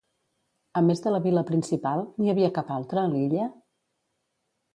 A més de la vila principal, n'hi havia cap altra a l'illa?